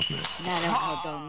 なるほどね。